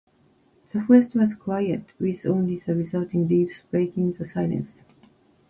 The forest was quiet, with only the rustling leaves breaking the silence.